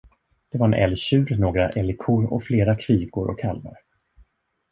Det var en älgtjur, några älgkor och flera kvigor och kalvar.